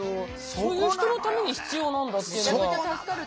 そういう人のために必要なんだっていうのは。